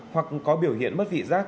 hoặc có biểu hiện mất vị giác